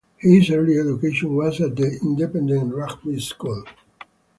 His early education was at the independent Rugby School.